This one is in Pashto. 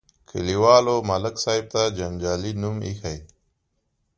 کلیوالو ملک صاحب ته جنجالي نوم ایښی.